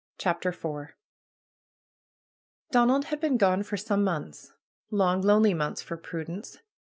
CHAPTER IV Donald had been gone for some months. Long, lonely months for Prudence.